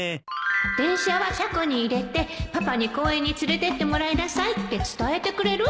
電車は車庫に入れてパパに公園に連れてってもらいなさいって伝えてくれる？